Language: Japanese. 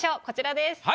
こちらです。